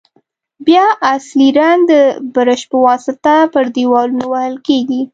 بیا اصلي رنګ د برش په واسطه پر دېوالونو وهل کیږي.